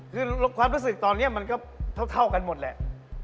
คือความรู้สึกตอนนี้มันก็เท่ากันหมดแหละ